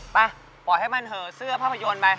ไปปล่อยให้มันเหอเสื้อภาพยนตร์ไป